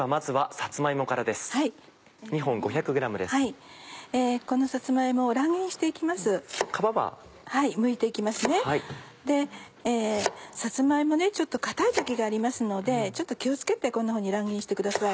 さつま芋ちょっと硬い時がありますのでちょっと気を付けてこんなふうに乱切りにしてください。